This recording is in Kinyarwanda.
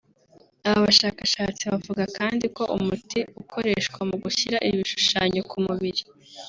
Aba bashakashatsi bavuga kandi ko umuti ukoreshwa mu gushyira ibi bishushanyo ku mubiri